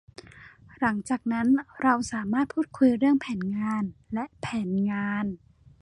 หลังจากนั้นเราสามารถพูดคุยเรื่องแผนงานและแผนงาน